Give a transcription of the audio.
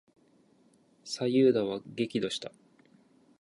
左右田は激怒した。